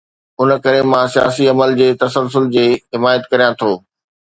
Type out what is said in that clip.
ان ڪري مان سياسي عمل جي تسلسل جي حمايت ڪريان ٿو.